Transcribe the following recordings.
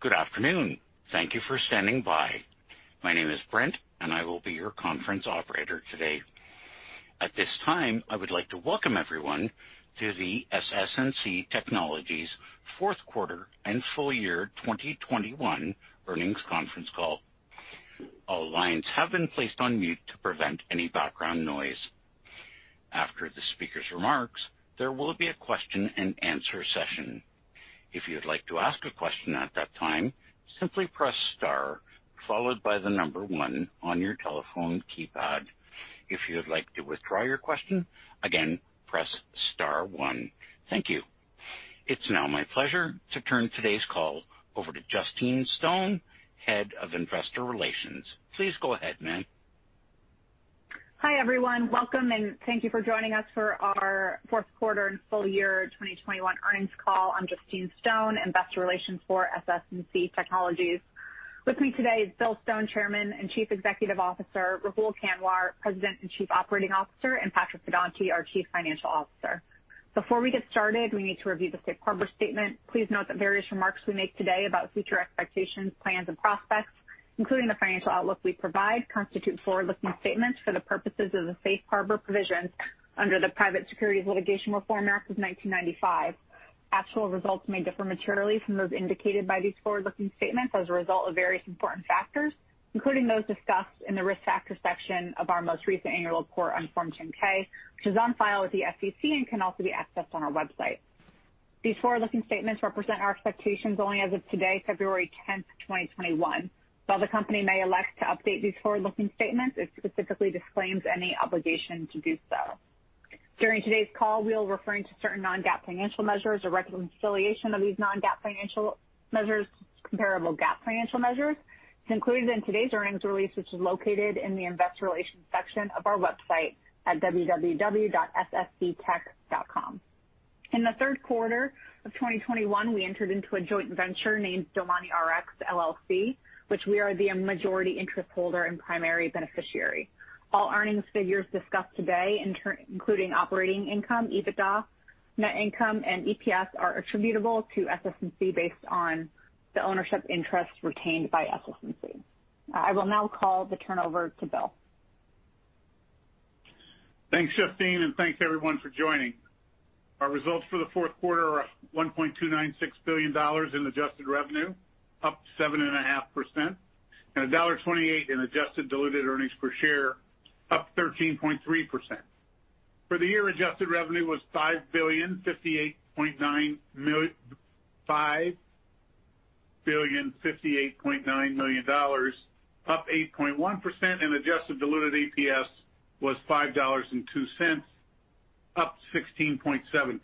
Good afternoon. Thank you for standing by. My name is Brent, and I will be your conference operator today. At this time, I would like to welcome everyone to the SS&C Technologies fourth quarter and full year 2021 earnings conference call. All lines have been placed on mute to prevent any background noise. After the speaker's remarks, there will be a question-and-answer session. If you'd like to ask a question at that time, simply press star followed by the number one on your telephone keypad. If you'd like to withdraw your question, again, press star one. Thank you. It's now my pleasure to turn today's call over to Justine Stone, Head of Investor Relations. Please go ahead, ma'am. Hi, everyone. Welcome and thank you for joining us for our fourth quarter and full year 2021 earnings call. I'm Justine Stone, investor relations for SS&C Technologies. With me today is Bill Stone, Chairman and Chief Executive Officer, Rahul Kanwar, President and Chief Operating Officer, and Patrick Pedonti, our Chief Financial Officer. Before we get started, we need to review the safe harbor statement. Please note that various remarks we make today about future expectations, plans, and prospects, including the financial outlook we provide, constitute forward-looking statements for the purposes of the safe harbor provisions under the Private Securities Litigation Reform Act of 1995. Actual results may differ materially from those indicated by these forward-looking statements as a result of various important factors, including those discussed in the risk factor section of our most recent annual report on Form 10-K, which is on file with the SEC and can also be accessed on our website. These forward-looking statements represent our expectations only as of today, February 10th, 2021. While the company may elect to update these forward-looking statements, it specifically disclaims any obligation to do so. During today's call, we'll be referring to certain non-GAAP financial measures. A reconciliation of these non-GAAP financial measures to comparable GAAP financial measures is included in today's earnings release, which is located in the investor relations section of our website at www.ssctech.com. In the third quarter of 2021, we entered into a joint venture named DomaniRx, LLC, which we are the majority interest holder and primary beneficiary. All earnings figures discussed today, including operating income, EBITDA, net income, and EPS, are attributable to SS&C based on the ownership interest retained by SS&C. I will now turn it over to Bill. Thanks, Justine, and thanks everyone for joining. Our results for the fourth quarter are $1.296 billion in adjusted revenue, up 7.5%, and $1.28 in adjusted diluted earnings per share, up 13.3%. For the year, adjusted revenue was $5.0589 billion, up 8.1%, and adjusted diluted EPS was $5.02, up 16.7%.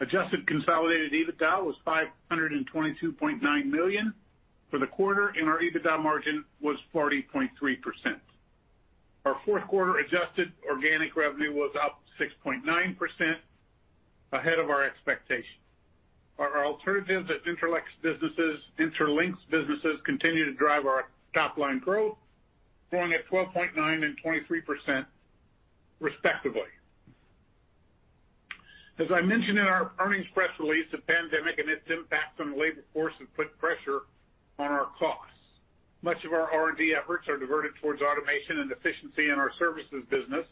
Adjusted consolidated EBITDA was $522.9 million for the quarter, and our EBITDA margin was 40.3%. Our fourth quarter adjusted organic revenue was up 6.9%, ahead of our expectations. Our Alternatives and Institutional businesses, Intralinks businesses continue to drive our top-line growth, growing at 12.9% and 23%, respectively. As I mentioned in our earnings press release, the pandemic and its impact on the labor force has put pressure on our costs. Much of our R&D efforts are diverted towards automation and efficiency in our services business,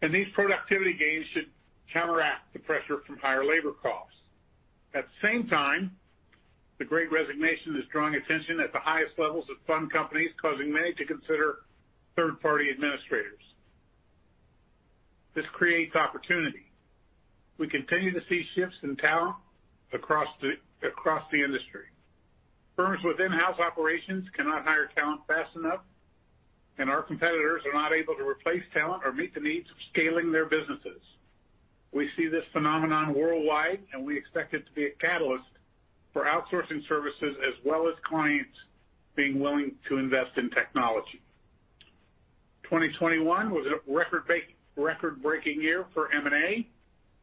and these productivity gains should counteract the pressure from higher labor costs. At the same time, the great resignation is drawing attention at the highest levels of fund companies, causing many to consider third-party administrators. This creates opportunity. We continue to see shifts in talent across the industry. Firms with in-house operations cannot hire talent fast enough, and our competitors are not able to replace talent or meet the needs of scaling their businesses. We see this phenomenon worldwide, and we expect it to be a catalyst for outsourcing services as well as clients being willing to invest in technology. 2021 was a record-breaking year for M&A,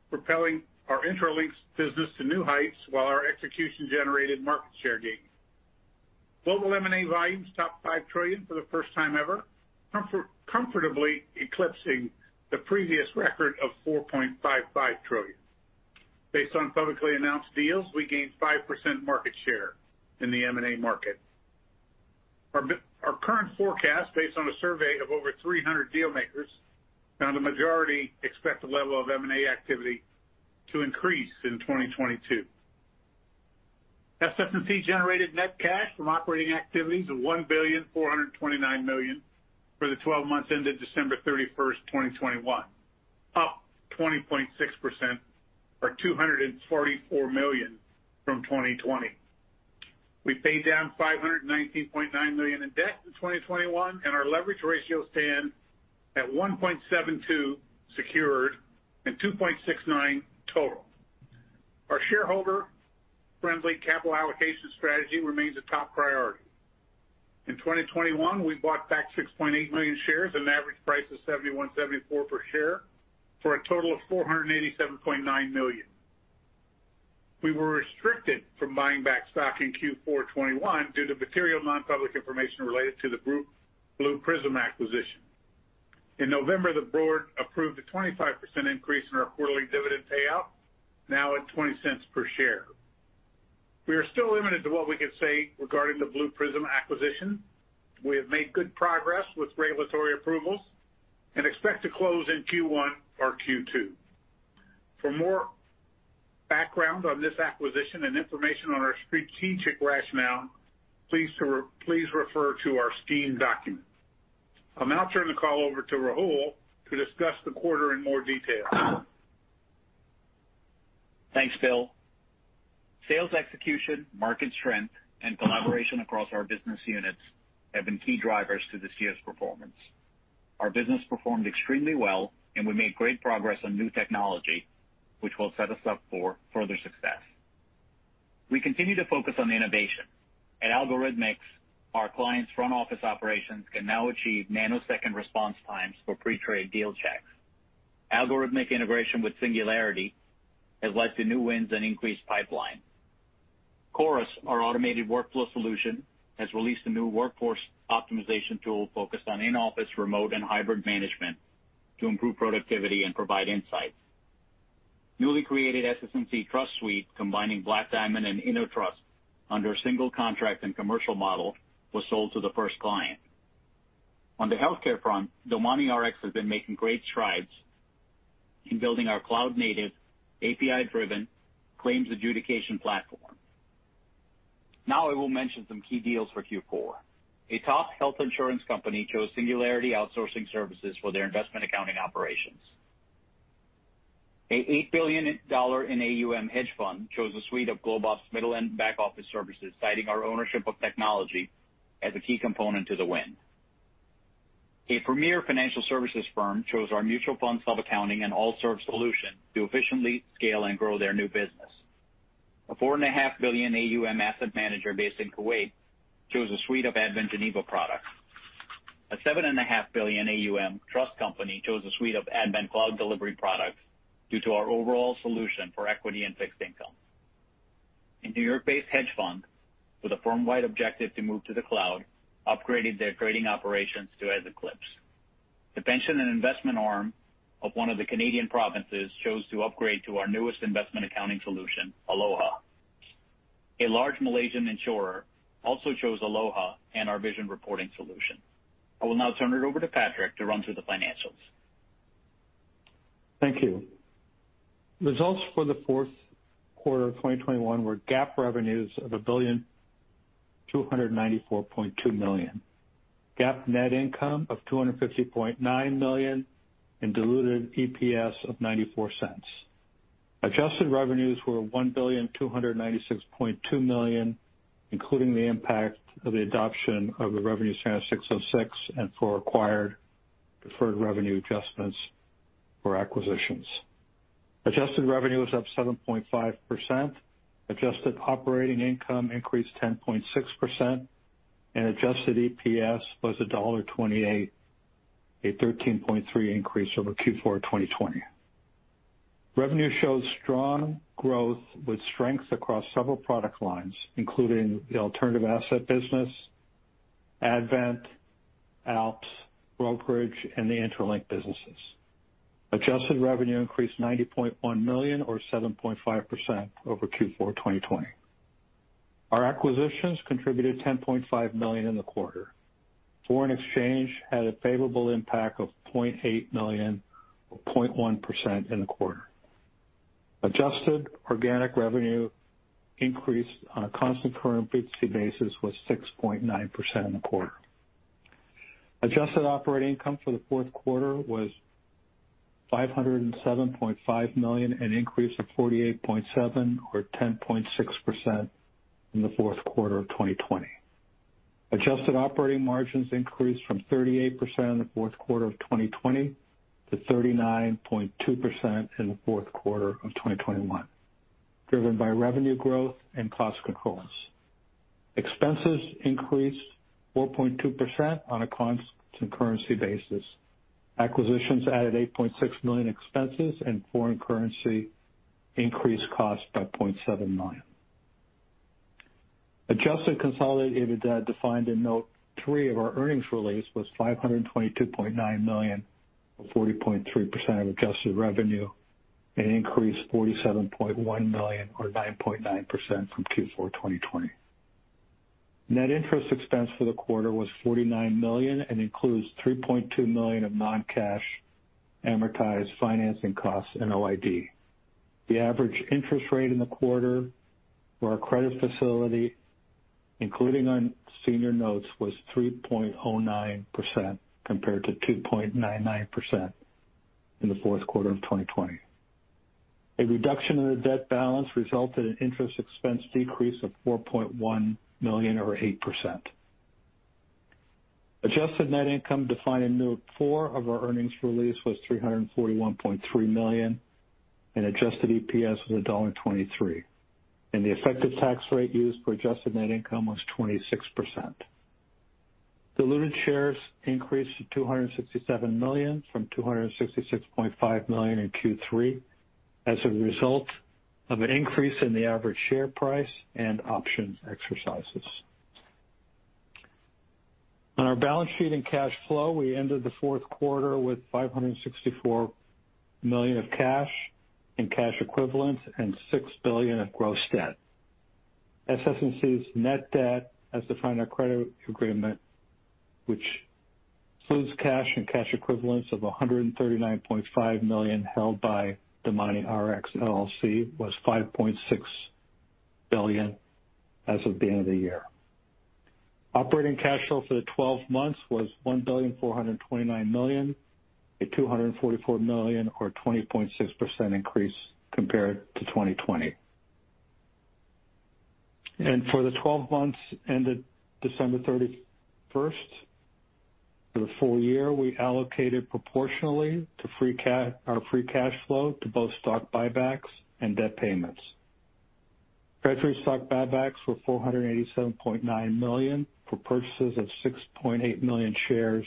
propelling our Intralinks business to new heights while our execution-generated market share gains. Global M&A volumes topped $5 trillion for the first time ever, comfortably eclipsing the previous record of $4.55 trillion. Based on publicly announced deals, we gained 5% market share in the M&A market. Our current forecast, based on a survey of over 300 deal makers, found the majority expect the level of M&A activity to increase in 2022. SS&C generated net cash from operating activities of $1.429 billion for the 12 months ended December 31st, 2021, up 20.6% or $244 million from 2020. We paid down $519.9 million in debt in 2021, and our leverage ratio stands at 1.72 secured and 2.69 total. Our shareholder-friendly capital allocation strategy remains a top priority. In 2021, we bought back 6.8 million shares at an average price of $71.74 per share for a total of $487.9 million. We were restricted from buying back stock in Q4 2021 due to material non-public information related to the Blue Prism acquisition. In November, the board approved a 25% increase in our quarterly dividend payout, now at $0.20 per share. We are still limited to what we can say regarding the Blue Prism acquisition. We have made good progress with regulatory approvals and expect to close in Q1 or Q2. For more background on this acquisition and information on our strategic rationale, please refer to our scheme document. I'll now turn the call over to Rahul to discuss the quarter in more detail. Thanks, Bill. Sales execution, market strength, and collaboration across our business units have been key drivers to this year's performance. Our business performed extremely well and we made great progress on new technology, which will set us up for further success. We continue to focus on innovation. At Algorithmics, our clients' front office operations can now achieve nanosecond response times for pre-trade deal checks. Algorithmics integration with Singularity has led to new wins and increased pipeline. Chorus, our automated workflow solution, has released a new workforce optimization tool focused on in-office, remote, and hybrid management to improve productivity and provide insights. Newly created SS&C Trust Suite, combining Black Diamond and InnoTrust under a single contract and commercial model, was sold to the first client. On the healthcare front, DomaniRx has been making great strides in building our cloud-native, API-driven claims adjudication platform. Now I will mention some key deals for Q4. A top health insurance company chose Singularity outsourcing services for their investment accounting operations. An $8 billion in AUM hedge fund chose a suite of GlobeOp's middle and back office services, citing our ownership of technology as a key component to the win. A premier financial services firm chose our mutual fund sub-accounting and ALTSERVE solution to efficiently scale and grow their new business. A $4.5 billion AUM asset manager based in Kuwait chose a suite of Advent Geneva products. A $7.5 billion AUM trust company chose a suite of Advent cloud delivery products due to our overall solution for equity and fixed income. A New York-based hedge fund with a firm-wide objective to move to the cloud upgraded their trading operations to Eze Eclipse. The pension and investment arm of one of the Canadian provinces chose to upgrade to our newest investment accounting solution, Aloha. A large Malaysian insurer also chose Aloha and our vision reporting solution. I will now turn it over to Patrick to run through the financials. Thank you. Results for the fourth quarter of 2021 were GAAP revenues of $1.294 billion. GAAP net income of $250.9 million and diluted EPS of $0.94. Adjusted revenues were $1.296 billion, including the impact of the adoption of ASC 606 and for acquired deferred revenue adjustments for acquisitions. Adjusted revenue was up 7.5%. Adjusted operating income increased 10.6%, and adjusted EPS was $1.28, a 13.3% increase over Q4 2020. Revenue shows strong growth with strength across several product lines, including the alternative asset business, Advent, ALPS, Brokerage, and the Intralinks businesses. Adjusted revenue increased $90.1 million or 7.5% over Q4 2020. Our acquisitions contributed $10.5 million in the quarter. Foreign exchange had a favorable impact of $0.8 million or 0.1% in the quarter. Adjusted organic revenue increase on a constant currency basis was 6.9% in the quarter. Adjusted operating income for the fourth quarter was $507.5 million, an increase of $48.7 million or 10.6% from the fourth quarter of 2020. Adjusted operating margins increased from 38% in the fourth quarter of 2020 to 39.2% in the fourth quarter of 2021, driven by revenue growth and cost controls. Expenses increased 4.2% on a constant currency basis. Acquisitions added $8.6 million expenses, and foreign currency increased costs by $0.79 million. Adjusted consolidated debt, defined in note three of our earnings release, was $522.9 million, or 40.3% of adjusted revenue, an increase $47.1 million or 9.9% from Q4 2020. Net interest expense for the quarter was $49 million and includes $3.2 million of non-cash amortized financing costs and OID. The average interest rate in the quarter for our credit facility, including on senior notes, was 3.09% compared to 2.99% in the fourth quarter of 2020. A reduction in the debt balance resulted in interest expense decrease of $4.1 million or 8%. Adjusted net income defined in note four of our earnings release was $341.3 million and adjusted EPS of $1.23, and the effective tax rate used for adjusted net income was 26%. Diluted shares increased to 267 million from 266.5 million in Q3 as a result of an increase in the average share price and option exercises. On our balance sheet and cash flow, we ended the fourth quarter with $564 million of cash in cash equivalents and $6 billion of gross debt. SS&C's net debt as defined in our credit agreement, which includes cash and cash equivalents of $139.5 million held by DomaniRx LLC, was $5.6 billion as of the end of the year. Operating cash flow for the 12 months was $1.429 billion up $244 million or 20.6% increase compared to 2020. For the 12 months ended December 31st, for the full year, we allocated proportionally our free cash flow to both stock buybacks and debt payments. Treasury stock buybacks were $487.9 million for purchases of 6.8 million shares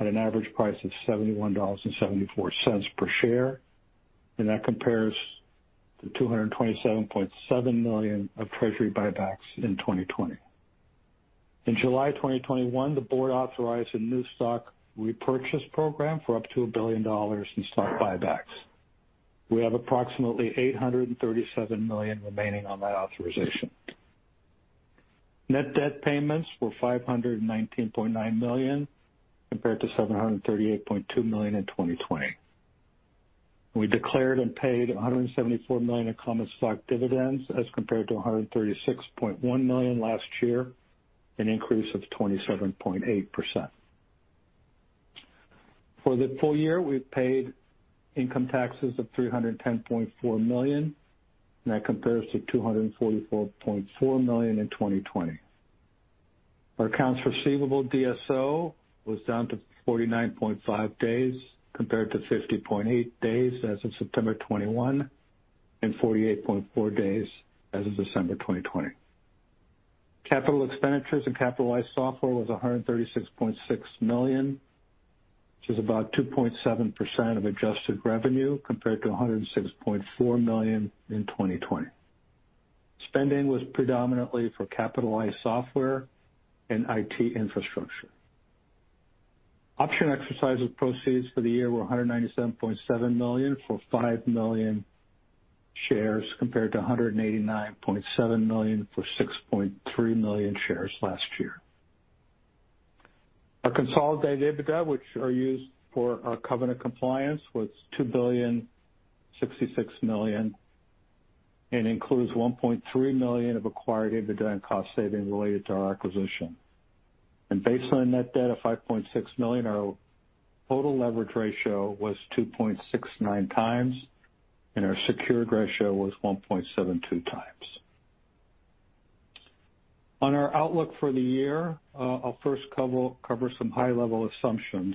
at an average price of $71.74 per share. That compares to $227.7 million of treasury buybacks in 2020. In July 2021, the board authorized a new stock repurchase program for up to $1 billion in stock buybacks. We have approximately $837 million remaining on that authorization. Net debt payments were $519.9 million, compared to $738.2 million in 2020. We declared and paid $174 million in common stock dividends as compared to $136.1 million last year, an increase of 27.8%. For the full year, we've paid income taxes of $310.4 million, and that compares to $244.4 million in 2020. Our accounts receivable DSO was down to 49.5 days compared to 50.8 days as of September 2021, and 48.4 days as of December 2020. Capital expenditures and capitalized software was $136.6 million, which is about 2.7% of adjusted revenue, compared to $106.4 million in 2020. Spending was predominantly for capitalized software and IT infrastructure. Option exercises proceeds for the year were $197.7 million for 5 million shares compared to $189.7 million for 6.3 million shares last year. Our consolidated EBITDA, which are used for our covenant compliance, was $2.066 billion, and includes $1.3 million of acquired EBITDA and cost savings related to our acquisition. Based on net debt of $5.6 billion, our total leverage ratio was 2.69x, and our secured ratio was 1.72x. On our outlook for the year, I'll first cover some high-level assumptions.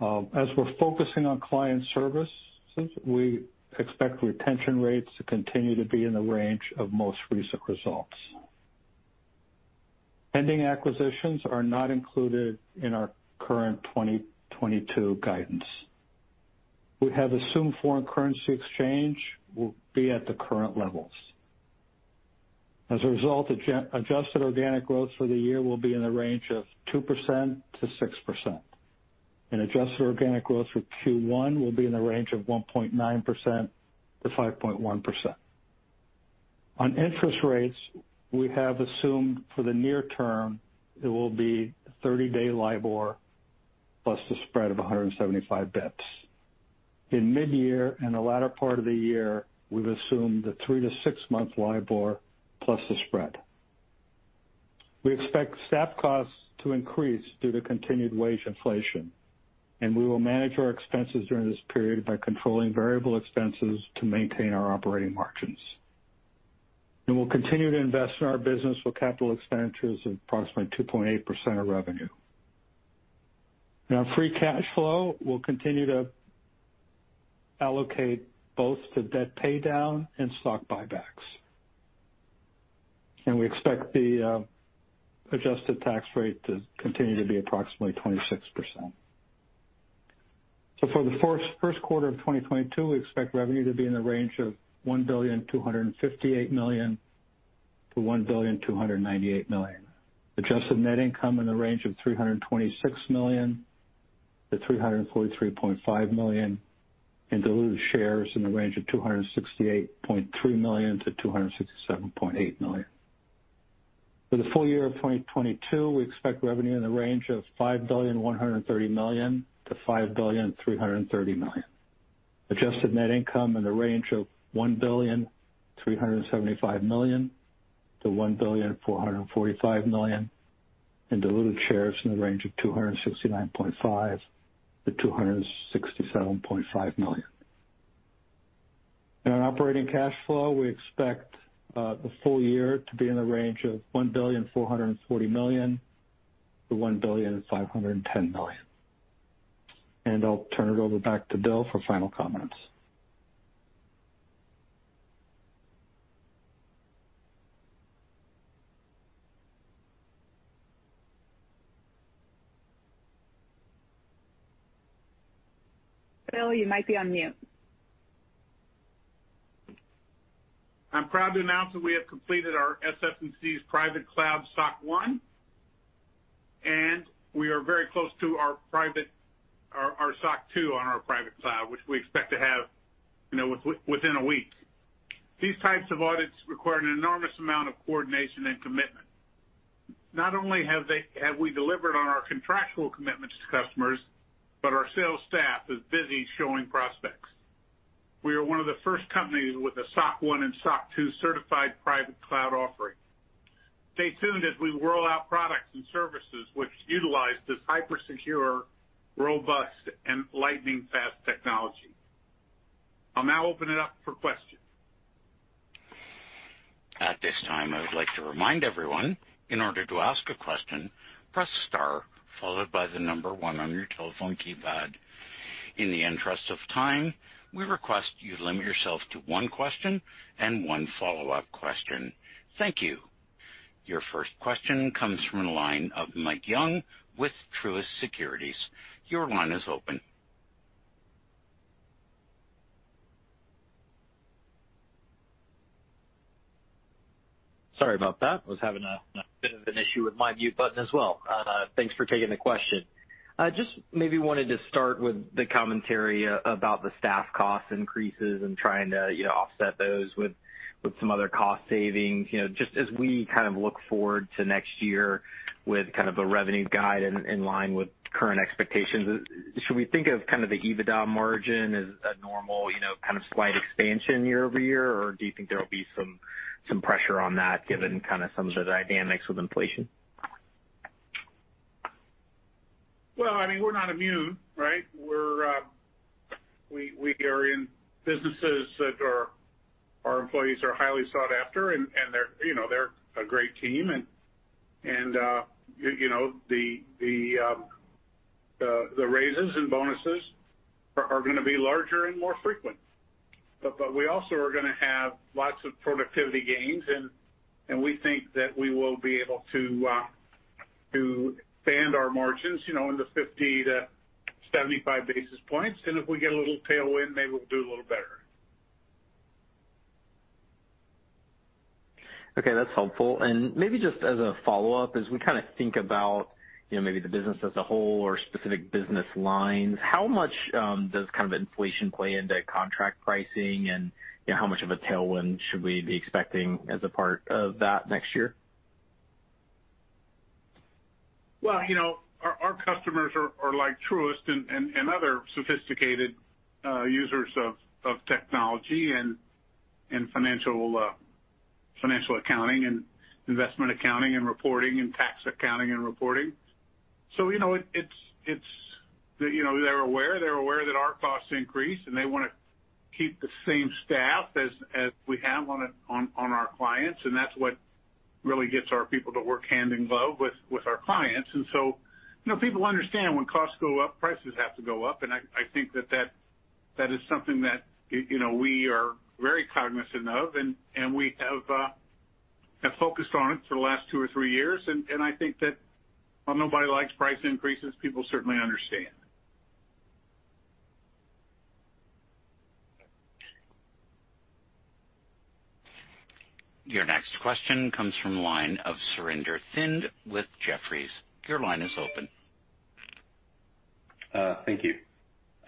As we're focusing on client service, we expect retention rates to continue to be in the range of most recent results. Pending acquisitions are not included in our current 2022 guidance. We have assumed foreign currency exchange will be at the current levels. As a result, adjusted organic growth for the year will be in the range of 2%-6%, and adjusted organic growth for Q1 will be in the range of 1.9%-5.1%. On interest rates, we have assumed for the near term it will be 30-day LIBOR plus the spread of 175 basis points. In mid-year and the latter part of the year, we've assumed the 3-month to 6-month LIBOR plus the spread. We expect staff costs to increase due to continued wage inflation, and we will manage our expenses during this period by controlling variable expenses to maintain our operating margins. We'll continue to invest in our business with capital expenditures of approximately 2.8% of revenue. In our free cash flow, we'll continue to allocate both to debt pay down and stock buybacks. We expect the adjusted tax rate to continue to be approximately 26%. For the first quarter of 2022, we expect revenue to be in the range of $1.258 billion-$1.298 billion. Adjusted net income in the range of $326 million-$343.5 million, and diluted shares in the range of $268.3 million-$267.8 million. For the full year of 2022, we expect revenue in the range of $5.13 billion-$5.33 billion. Adjusted net income in the range of $1.375 billion-$1.445 billion, and diluted shares in the range of $269.5 million-$267.5 million. In our operating cash flow, we expect the full year to be in the range of $1.44 billion-$1.51 billion. I'll turn it over back to Bill for final comments. Bill, you might be on mute. I'm proud to announce that we have completed our SS&C's private cloud SOC 1, and we are very close to our SOC 2 on our private cloud, which we expect to have, you know, within a week. These types of audits require an enormous amount of coordination and commitment. Not only have we delivered on our contractual commitments to customers, but our sales staff is busy showing prospects. We are one of the first companies with a SOC 1 and SOC 2 certified private cloud offering. Stay tuned as we roll out products and services which utilize this hyper-secure, robust, and lightning-fast technology. I'll now open it up for questions. At this time, I would like to remind everyone, in order to ask a question, press star followed by the number one on your telephone keypad. In the interest of time, we request you limit yourself to one question and one follow-up question. Thank you. Your first question comes from the line of Michael Young with Truist Securities. Your line is open. Sorry about that. I was having a bit of an issue with my mute button as well. Thanks for taking the question. I just maybe wanted to start with the commentary about the staff cost increases and trying to offset those with some other cost savings. You know, just as we kind of look forward to next year with kind of a revenue guide in line with current expectations, should we think of kind of the EBITDA margin as a normal, you know, kind of slight expansion year-over-year? Or do you think there will be some pressure on that given kinda some of the dynamics with inflation? Well, I mean, we're not immune, right? We are in businesses our employees are highly sought after, and they're, you know, a great team. You know, the raises and bonuses are gonna be larger and more frequent. But we also are gonna have lots of productivity gains and we think that we will be able to expand our margins, you know, in the 50-75 basis points. If we get a little tailwind, maybe we'll do a little better. Okay, that's helpful. Maybe just as a follow-up, as we kinda think about, you know, maybe the business as a whole or specific business lines, how much does kind of inflation play into contract pricing and, you know, how much of a tailwind should we be expecting as a part of that next year? Well, you know, our customers are like Truist and other sophisticated users of technology and financial accounting and investment accounting and reporting and tax accounting and reporting. You know, it's, you know, they're aware. They're aware that our costs increase, and they wanna keep the same staff as we have on our clients. That's what really gets our people to work hand in glove with our clients. You know, people understand when costs go up, prices have to go up. I think that is something that, you know, we are very cognizant of and we have focused on it for the last two or three years. I think that while nobody likes price increases, people certainly understand. Your next question comes from the line of Surinder Thind with Jefferies. Your line is open. Thank you.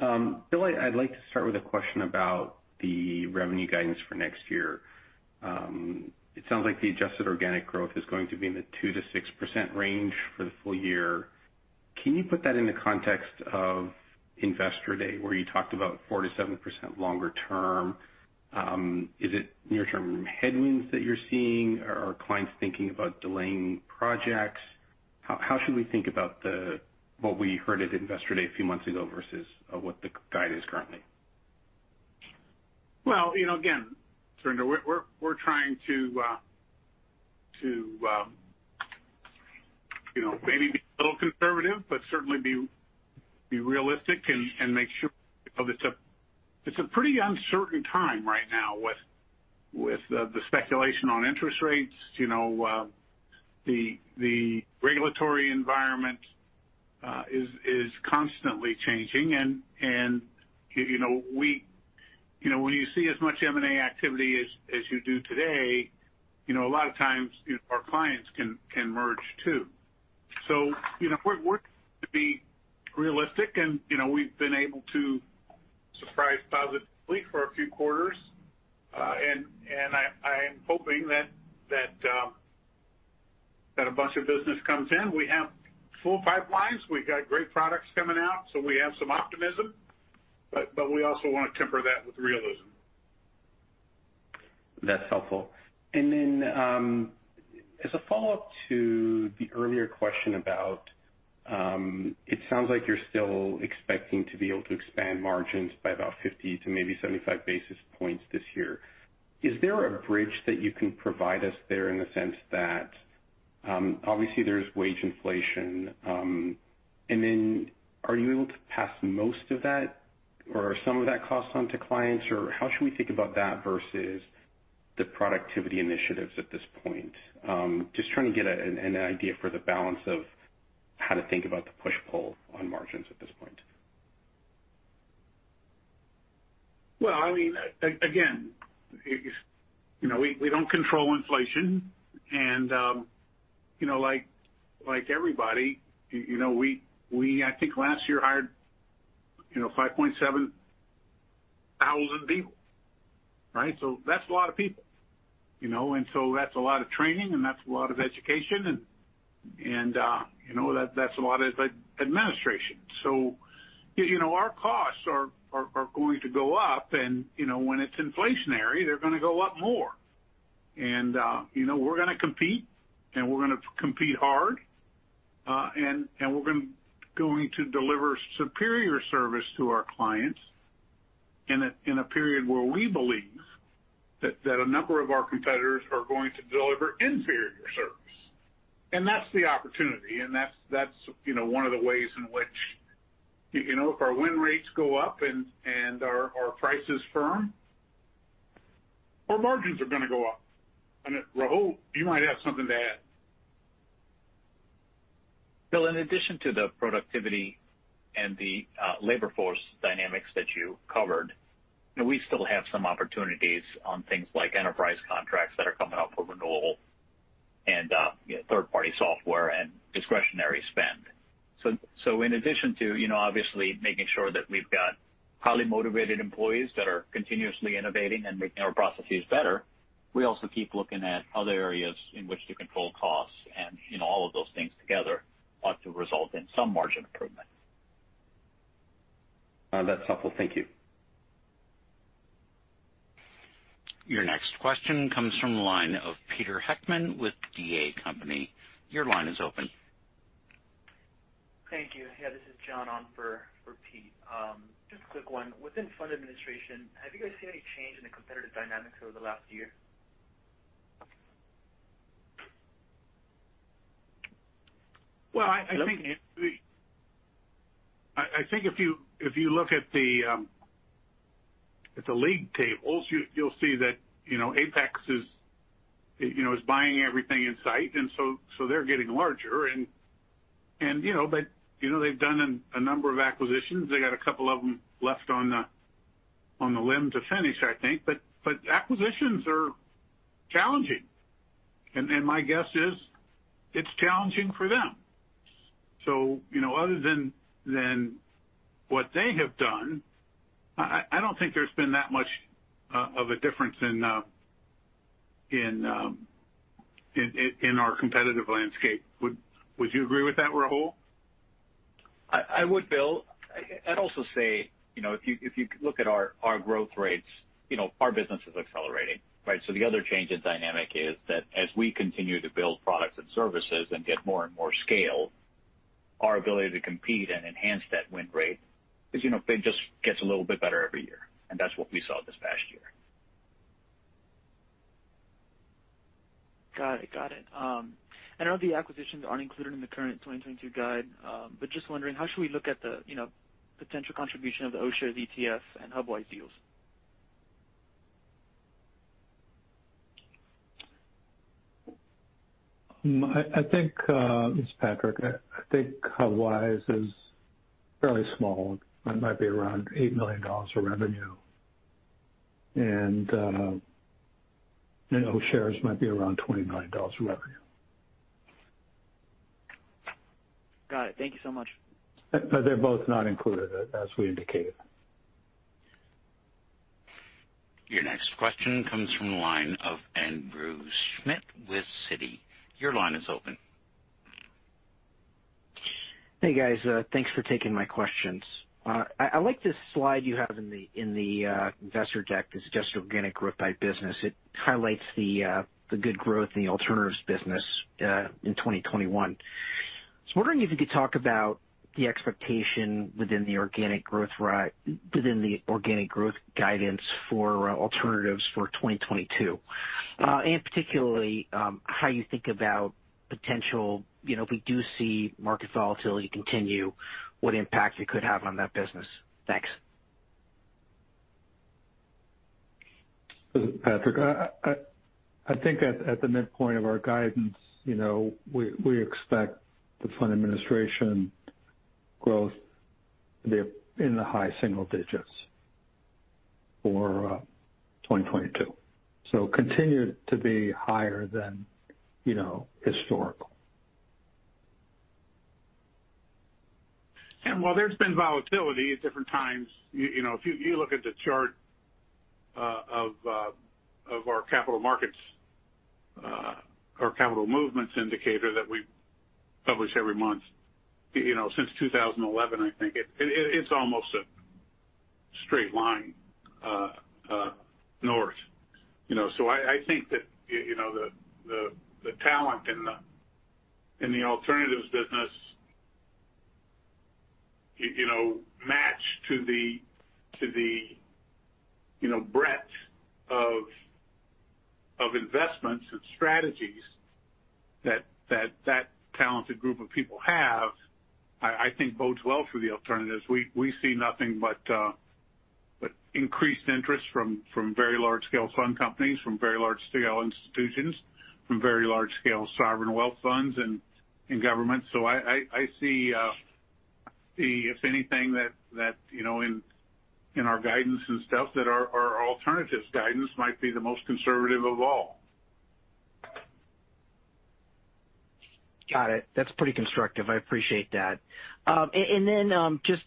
Bill, I'd like to start with a question about the revenue guidance for next year. It sounds like the adjusted organic growth is going to be in the 2%-6% range for the full year. Can you put that in the context of Investor Day, where you talked about 4%-7% longer term? Is it near-term headwinds that you're seeing? Are clients thinking about delaying projects? How should we think about what we heard at Investor Day a few months ago versus what the guide is currently? Well, you know, again, Surinder, we're trying to, you know, maybe be a little conservative, but certainly be realistic and make sure it's a pretty uncertain time right now with the speculation on interest rates. You know, the regulatory environment is constantly changing. You know, when you see as much M&A activity as you do today, you know, a lot of times our clients can merge too. You know, we're to be realistic and, you know, we've been able to surprise positively for a few quarters. I am hoping that a bunch of business comes in. We have full pipelines. We've got great products coming out, so we have some optimism. We also wanna temper that with realism. That's helpful. As a follow-up to the earlier question about it sounds like you're still expecting to be able to expand margins by about 50 basis points to maybe 75 basis points this year. Is there a bridge that you can provide us there in the sense that, obviously there's wage inflation, and then are you able to pass most of that or some of that cost on to clients? Or how should we think about that versus- The productivity initiatives at this point. Just trying to get an idea for the balance of how to think about the push-pull on margins at this point. Well, I mean, again, you know, we don't control inflation, and you know, like everybody, you know, we I think last year hired 5,700 people, right? That's a lot of people, you know. That's a lot of training, and that's a lot of education and you know, that's a lot of administration. You know, our costs are going to go up and you know, when it's inflationary, they're gonna go up more. You know, we're gonna compete, and we're gonna compete hard. We're going to deliver superior service to our clients in a period where we believe that a number of our competitors are going to deliver inferior service. That's the opportunity, and that's you know one of the ways in which, you know, if our win rates go up and our price is firm, our margins are gonna go up. Rahul, you might have something to add. Bill, in addition to the productivity and the labor force dynamics that you covered, you know, we still have some opportunities on things like enterprise contracts that are coming up for renewal and third-party software and discretionary spend. In addition to, you know, obviously, making sure that we've got highly motivated employees that are continuously innovating and making our processes better, we also keep looking at other areas in which to control costs. You know, all of those things together ought to result in some margin improvement. That's helpful. Thank you. Your next question comes from the line of Peter Heckmann with D.A. Davidson. Your line is open. Thank you. Yeah, this is John on for Pete. Just a quick one. Within fund administration, have you guys seen any change in the competitive dynamics over the last year? Well, I think if you look at the league tables, you'll see that, you know, SS&C is buying everything in sight, so they're getting larger and, you know, but they've done a number of acquisitions. They got a couple of them left in the pipeline to finish, I think. Acquisitions are challenging. My guess is it's challenging for them. You know, other than what they have done, I don't think there's been that much of a difference in our competitive landscape. Would you agree with that, Rahul? I would, Bill. I'd also say, you know, if you look at our growth rates, you know, our business is accelerating, right? The other change in dynamic is that as we continue to build products and services and get more and more scale, our ability to compete and enhance that win rate is, you know, it just gets a little bit better every year, and that's what we saw this past year. Got it. I know the acquisitions aren't included in the current 2022 guide, but just wondering how should we look at the, you know, potential contribution of the O'Shares ETFs and Hubwise deals? I think, this is Patrick. I think Hubwise is fairly small. It might be around $8 million of revenue. You know, O'Shares might be around $20 million of revenue. Got it. Thank you so much. They're both not included, as we indicated. Your next question comes from the line of Andrew Schmidt with Citi. Your line is open. Hey, guys. Thanks for taking my questions. I like this slide you have in the investor deck that suggests organic growth by business. It highlights the good growth in the alternatives business in 2021. I'm wondering if you could talk about the expectation within the organic growth guidance for alternatives for 2022. Particularly, how you think about potential, you know, if we do see market volatility continue, what impact it could have on that business. Thanks. This is Patrick. I think at the midpoint of our guidance, you know, we expect the fund administration growth to be in the high single digits for 2022, so continued to be higher than historical. While there's been volatility at different times, you know, if you look at the chart of our capital markets or capital movements indicator that we publish every month, you know, since 2011, I think, it's almost a straight line north. You know, I think that, you know, the talent in the alternatives business, you know, matched to the, you know, breadth of investments and strategies. That talented group of people, I think, bodes well for the alternatives. We see nothing but increased interest from very large-scale fund companies, from very large-scale institutions, from very large-scale sovereign wealth funds and governments. I see if anything that you know in our guidance and stuff that our alternatives guidance might be the most conservative of all. Got it. That's pretty constructive. I appreciate that. Just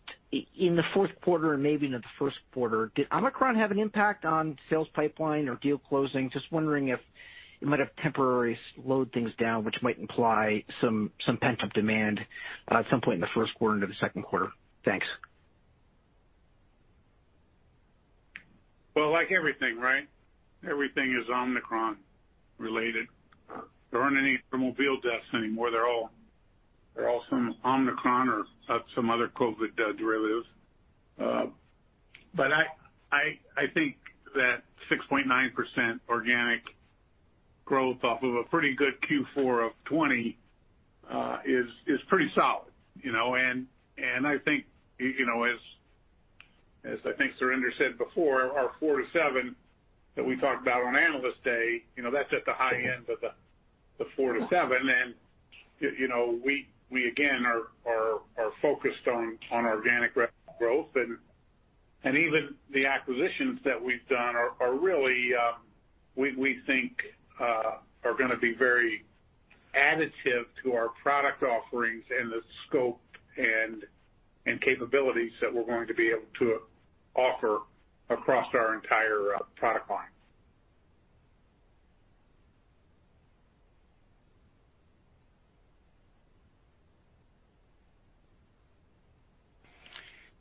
in the fourth quarter and maybe into the first quarter, did Omicron have an impact on sales pipeline or deal closing? Just wondering if it might have temporarily slowed things down, which might imply some pent-up demand at some point in the first quarter into the second quarter. Thanks. Well, like everything, right? Everything is Omicron related. There aren't any automobile deaths anymore. They're all from Omicron or some other COVID derivatives. But I think that 6.9% organic growth off of a pretty good Q4 of 2020 is pretty solid, you know. I think, you know, as I think Surinder said before, our 4%-7% that we talked about on Analyst Day, you know, that's at the high end of the 4%-7%. You know, we again are focused on organic growth. Even the acquisitions that we've done are really, we think, are gonna be very additive to our product offerings and the scope and capabilities that we're going to be able to offer across our entire product line.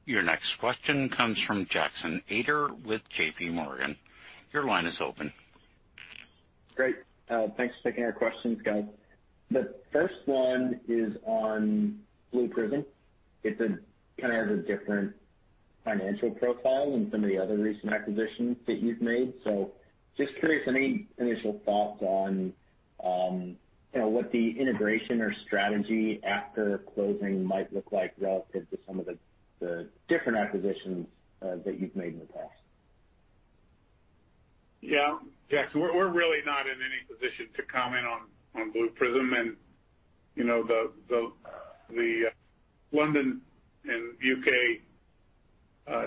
Your next question comes from Jackson Ader with J.P. Morgan. Your line is open. Great. Thanks for taking our questions, guys. The first one is on Blue Prism. It kind of has a different financial profile than some of the other recent acquisitions that you've made. Just curious, any initial thoughts on, you know, what the integration or strategy after closing might look like relative to some of the different acquisitions that you've made in the past? Yeah. Jackson, we're really not in any position to comment on Blue Prism and, you know, the London and U.K.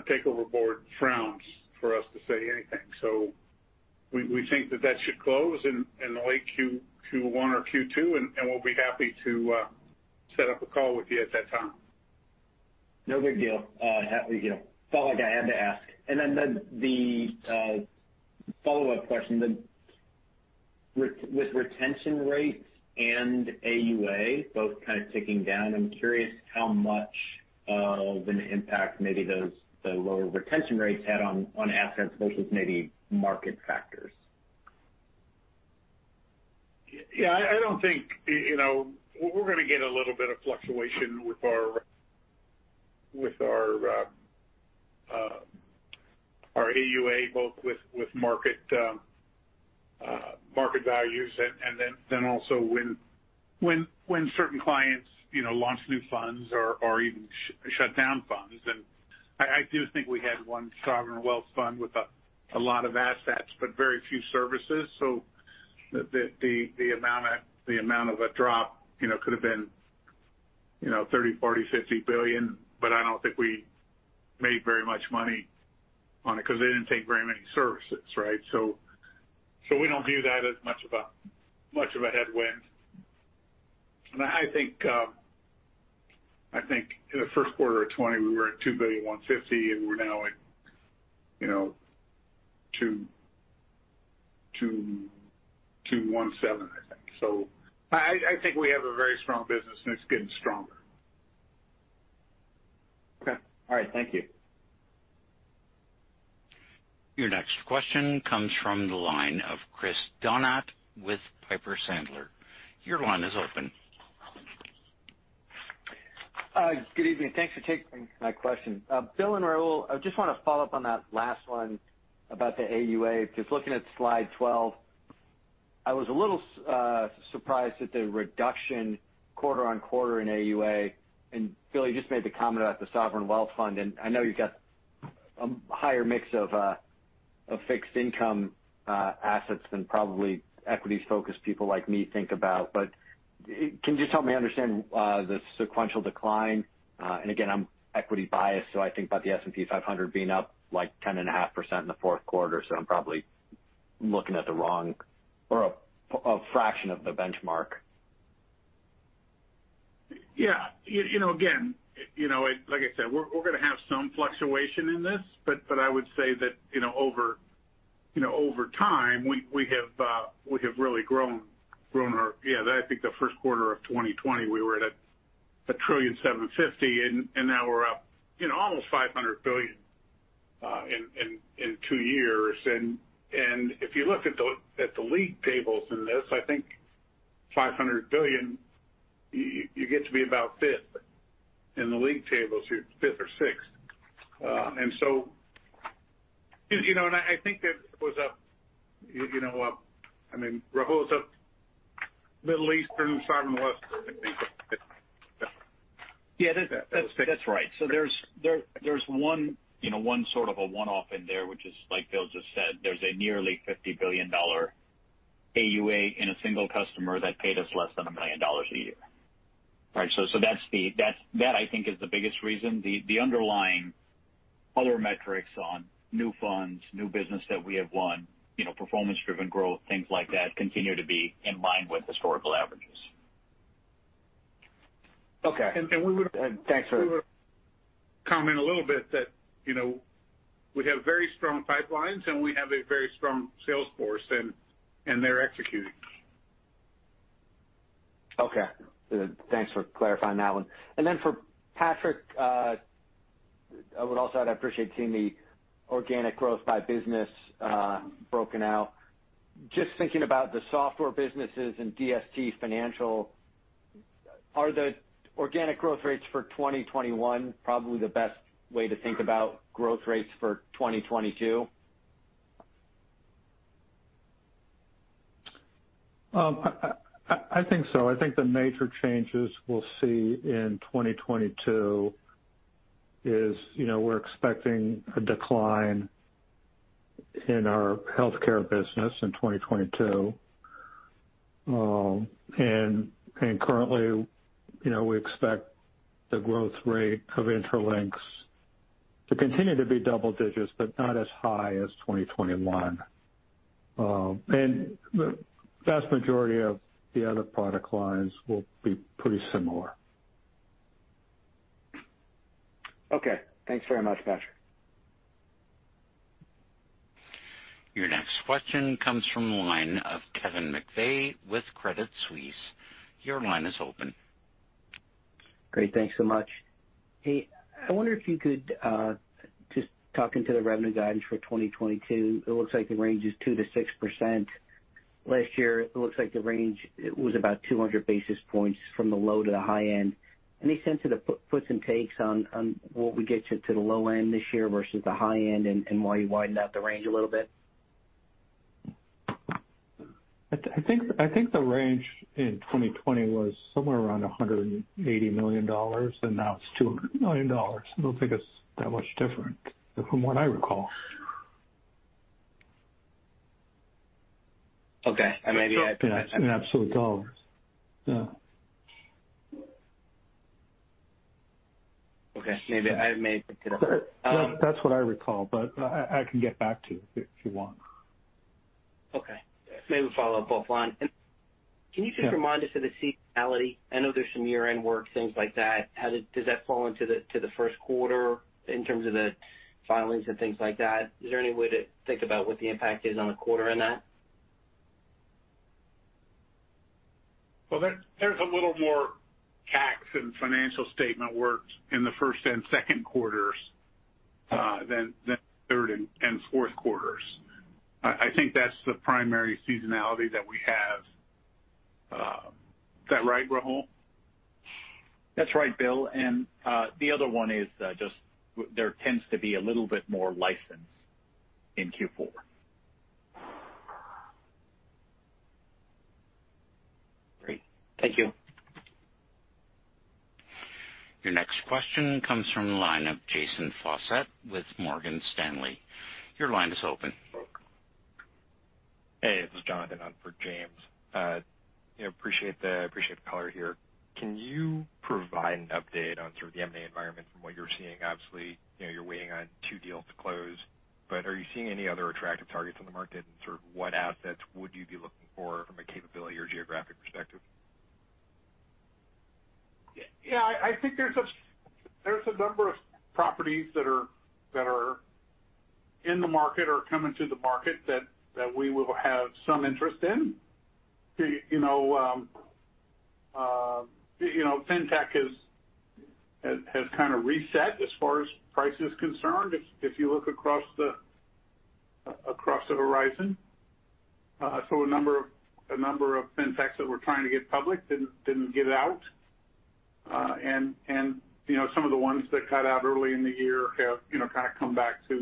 Takeover Panel frowns on us to say anything. We think that that should close in late Q1 or Q2, and we'll be happy to set up a call with you at that time. No big deal. You know, felt like I had to ask. Then the follow-up question. With retention rates and AUA both kind of ticking down, I'm curious how much of an impact maybe the lower retention rates had on assets versus maybe market factors. I don't think, you know, we're gonna get a little bit of fluctuation with our AUA, both with market values and then also when certain clients, you know, launch new funds or even shut down funds. I do think we had one sovereign wealth fund with a lot of assets, but very few services. The amount of a drop, you know, could have been $30 billion, $40 billion, $50 billion, but I don't think we made very much money on it because they didn't take very many services, right? We don't view that as much of a headwind. I think in the first quarter of 2020, we were at $2.15 billion, and we're now at, you know, $2.217 billion, I think. I think we have a very strong business, and it's getting stronger. Okay. All right. Thank you. Your next question comes from the line of Chris Donat with Piper Sandler. Your line is open. Good evening. Thanks for taking my question. Bill and Rahul, I just want to follow up on that last one about the AUA. Just looking at slide 12, I was a little surprised at the reduction quarter on quarter in AUA. Bill, you just made the comment about the sovereign wealth fund, and I know you've got a higher mix of fixed income assets than probably equities-focused people like me think about. Can you just help me understand the sequential decline? Again, I'm equity biased, so I think about the S&P 500 being up, like, 10.5% in the fourth quarter, so I'm probably looking at the wrong or a fraction of the benchmark. Yeah. You know, again, you know, like I said, we're gonna have some fluctuation in this. I would say that, you know, over time, we have really grown. Yeah, I think the first quarter of 2020, we were at $1.75 trillion, and now we're up, you know, almost $500 billion in two years. If you look at the league tables in this, I think $500 billion, you get to be about fifth in the league tables. You're fifth or sixth. You know, I think that was, you know, I mean, Rahul, it's a Middle Eastern sovereign wealth. Yeah, that's right. There's one, you know, one sort of a one-off in there, which is like Bill just said, there's a nearly $50 billion AUA in a single customer that paid us less than $1 million a year. Right. That's—that I think is the biggest reason. The underlying other metrics on new funds, new business that we have won, you know, performance-driven growth, things like that continue to be in line with historical averages. Okay. And, and we would- Thanks for. We would comment a little bit that, you know, we have very strong pipelines, and we have a very strong sales force, and they're executing. Okay. Thanks for clarifying that one. For Patrick, I would also appreciate seeing the organic growth by business, broken out. Just thinking about the software businesses and DST Financial, are the organic growth rates for 2021 probably the best way to think about growth rates for 2022? I think so. I think the major changes we'll see in 2022 is, you know, we're expecting a decline in our healthcare business in 2022. Currently, you know, we expect the growth rate of Intralinks to continue to be double digits, but not as high as 2021. The vast majority of the other product lines will be pretty similar. Okay. Thanks very much, Patrick. Your next question comes from the line of Kevin McVeigh with Credit Suisse. Your line is open. Great. Thanks so much. Hey, I wonder if you could just talk about the revenue guidance for 2022. It looks like the range is 2%-6%. Last year, it looks like the range was about 200 basis points from the low to the high end. Any sense of the puts and takes on what would get you to the low end this year versus the high end and why you widened out the range a little bit? I think the range in 2020 was somewhere around $180 million, and now it's $200 million. I don't think it's that much different from what I recall. Okay. In absolute dollars. Yeah. Okay. Maybe I made it to the. That's what I recall, but I can get back to you if you want. Okay. Maybe follow up offline. Can you just remind us of the seasonality? I know there's some year-end work, things like that. How does that fall into the first quarter in terms of the filings and things like that? Is there any way to think about what the impact is on the quarter in that? Well, there's a little more tax and financial statement work in the first and second quarters than third and fourth quarters. I think that's the primary seasonality that we have. Is that right, Rahul? That's right, Bill. The other one is just there tends to be a little bit more license in Q4. Great. Thank you. Your next question comes from the line of James Faucette with Morgan Stanley. Your line is open. Hey, this is Jonathan on for James. You know, I appreciate the color here. Can you provide an update on sort of the M&A environment from what you're seeing? Obviously, you know, you're waiting on two deals to close, but are you seeing any other attractive targets on the market, and sort of what assets would you be looking for from a capability or geographic perspective? Yeah. I think there's a number of properties that are in the market or coming to the market that we will have some interest in. You know, fintech has kind of reset as far as price is concerned if you look across the horizon. A number of fintechs that we're trying to get public didn't get out. You know, some of the ones that got out early in the year have you know kind of come back to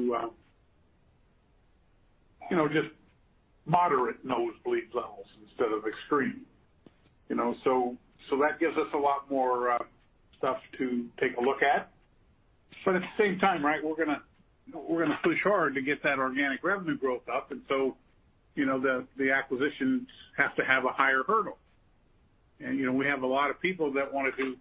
you know just moderate nosebleed levels instead of extreme. You know, that gives us a lot more stuff to take a look at. At the same time, right, we're gonna push hard to get that organic revenue growth up. The acquisitions have to have a higher hurdle. You know, we have a lot of people that wanna do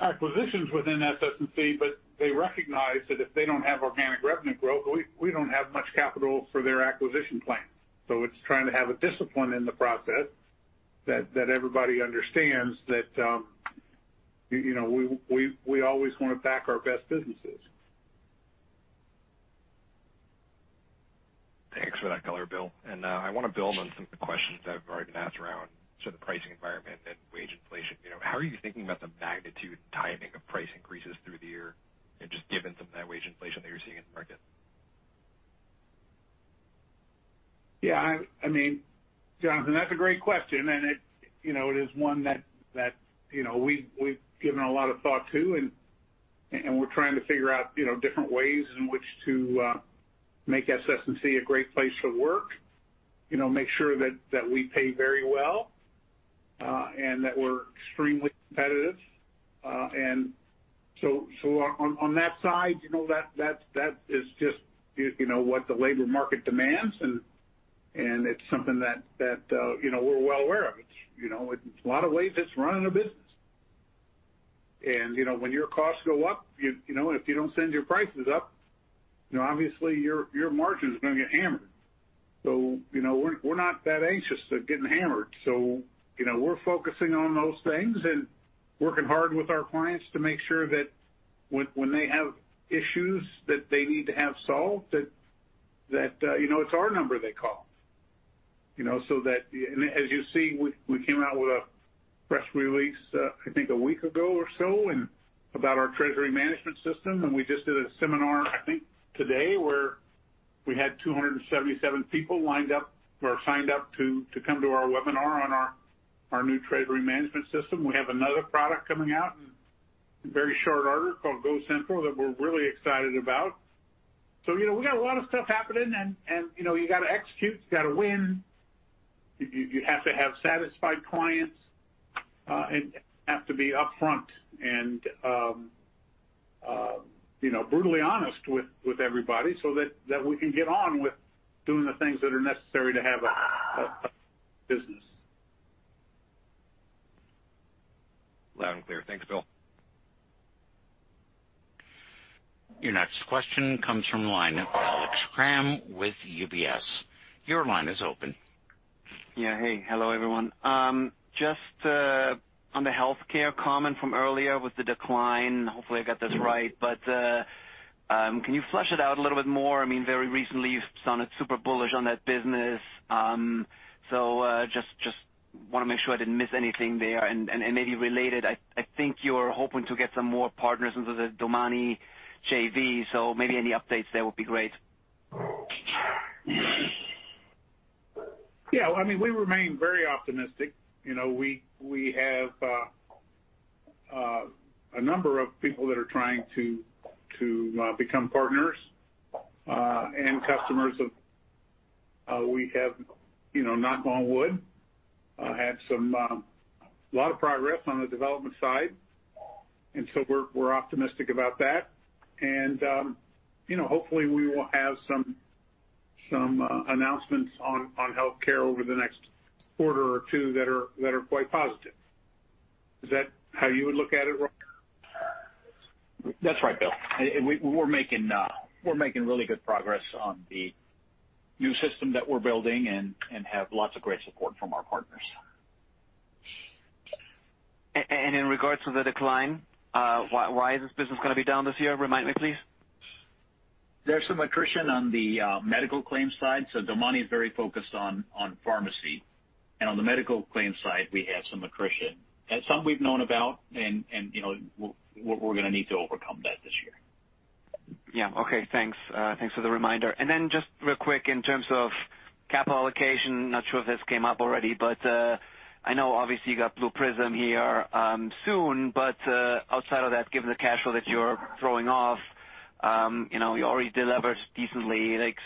acquisitions within SS&C, but they recognize that if they don't have organic revenue growth, we don't have much capital for their acquisition plans. It's trying to have a discipline in the process that everybody understands that you know, we always wanna back our best businesses. Thanks for that color, Bill. I wanna build on some of the questions that have already been asked around sort of the pricing environment and wage inflation. You know, how are you thinking about the magnitude and timing of price increases through the year and just given some of that wage inflation that you're seeing in the market? Yeah, I mean, Jonathan, that's a great question, and it, you know, it is one that, you know, we've given a lot of thought to and we're trying to figure out, you know, different ways in which to make SS&C a great place to work. You know, make sure that we pay very well and that we're extremely competitive. On that side, you know, that is just, you know, what the labor market demands and it's something that, you know, we're well aware of. It's you know in a lot of ways it's running a business. You know, when your costs go up, you know, if you don't send your prices up, you know, obviously your margin is gonna get hammered. You know, we're not that anxious at getting hammered. You know, we're focusing on those things and working hard with our clients to make sure that when they have issues that they need to have solved, that you know, it's our number they call. As you see, we came out with a press release, I think a week ago or so about our treasury management system. We just did a seminar, I think today, where we had 277 people lined up or signed up to come to our webinar on our new treasury management system. We have another product coming out in very short order called GoCentral that we're really excited about. You know, we got a lot of stuff happening and you know, you gotta execute, you gotta win. You have to have satisfied clients, and have to be upfront and you know, brutally honest with everybody so that we can get on with doing the things that are necessary to have a business. Loud and clear. Thanks, Bill. Your next question comes from the line of Alex Kramm with UBS. Your line is open. Hello, everyone. Just on the healthcare comment from earlier with the decline, hopefully I got this right. Can you flesh it out a little bit more? I mean, very recently you've sounded super bullish on that business. Just wanna make sure I didn't miss anything there. Maybe related, I think you're hoping to get some more partners into the DomaniRx JV, so maybe any updates there would be great. Yeah. I mean, we remain very optimistic. We have a number of people that are trying to become partners and customers of. We have, knock on wood, had a lot of progress on the development side, and so we're optimistic about that. Hopefully we will have some announcements on healthcare over the next quarter or two that are quite positive. Is that how you would look at it, Rob? That's right, Bill. We're making really good progress on the new system that we're building and have lots of great support from our partners. In regards to the decline, why is this business gonna be down this year? Remind me, please. There's some attrition on the medical claims side, so DomaniRx is very focused on pharmacy. On the medical claims side, we have some attrition. Some we've known about and, you know, we're gonna need to overcome that this year. Yeah. Okay. Thanks. Thanks for the reminder. Just real quick in terms of capital allocation, not sure if this came up already. I know obviously you got Blue Prism here soon. Outside of that, given the cash flow that you're throwing off, you know, you already delivered decently. Like,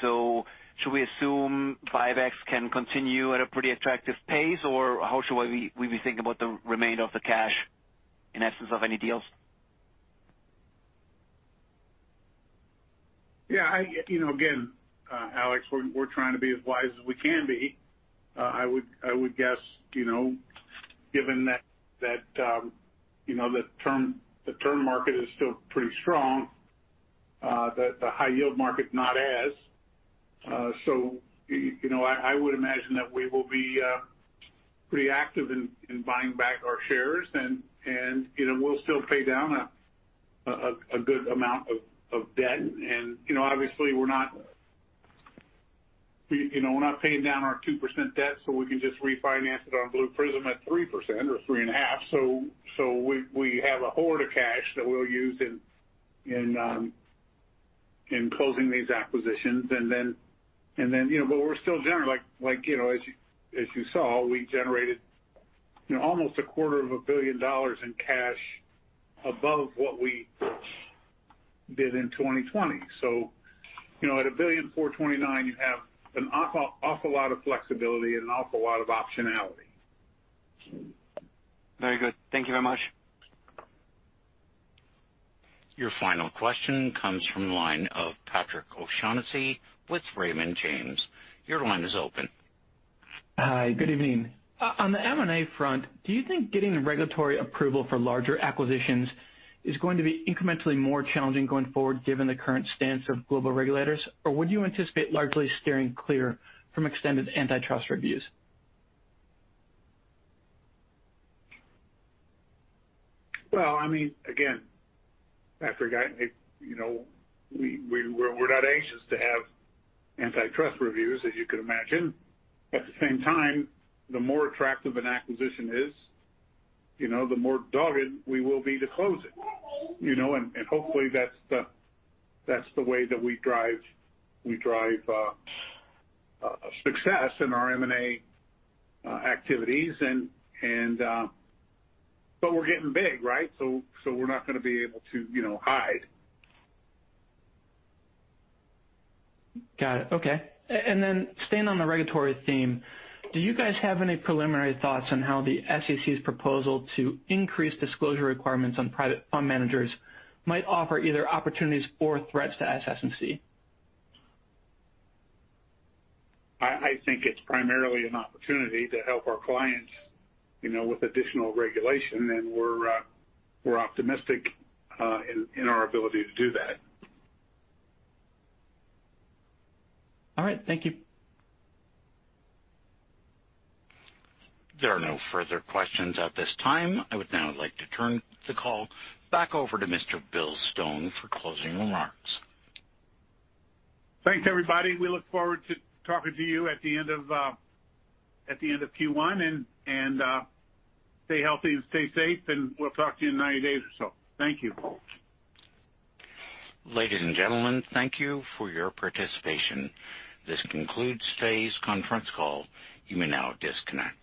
should we assume buybacks can continue at a pretty attractive pace, or how should we be thinking about the remainder of the cash in the sense of any deals? Yeah. You know, again, Alex, we're trying to be as wise as we can be. I would guess, you know, given that, you know, the term market is still pretty strong, the high yield market not as. So, you know, I would imagine that we will be pretty active in buying back our shares and, you know, we'll still pay down a good amount of debt. You know, obviously, we're not paying down our 2% debt, so we can just refinance it on Blue Prism at 3% or 3.5%. So we have a hoard of cash that we'll use in closing these acquisitions. You know, but we're still like, you know, as you saw, we generated, you know, almost a quarter of a billion dollars in cash above what we did in 2020. You know, at $1.429 billion, you have an awful lot of flexibility and an awful lot of optionality. Very good. Thank you very much. Your final question comes from the line of Patrick O'Shaughnessy with Raymond James. Your line is open. Hi. Good evening. On the M&A front, do you think getting regulatory approval for larger acquisitions is going to be incrementally more challenging going forward given the current stance of global regulators, or would you anticipate largely steering clear from extended antitrust reviews? Well, I mean, again, after a guy, you know, we're not anxious to have antitrust reviews, as you can imagine. At the same time, the more attractive an acquisition is, you know, the more dogged we will be to close it. You know? Hopefully that's the way that we drive success in our M&A activities. We're getting big, right? We're not gonna be able to, you know, hide. Got it. Okay. Staying on the regulatory theme, do you guys have any preliminary thoughts on how the SEC's proposal to increase disclosure requirements on private fund managers might offer either opportunities or threats to SS&C? I think it's primarily an opportunity to help our clients, you know, with additional regulation, and we're optimistic in our ability to do that. All right. Thank you. There are no further questions at this time. I would now like to turn the call back over to Mr. Bill Stone for closing remarks. Thanks, everybody. We look forward to talking to you at the end of Q1. Stay healthy and stay safe, and we'll talk to you in 90 days or so. Thank you. Ladies and gentlemen, thank you for your participation. This concludes today's conference call. You may now disconnect.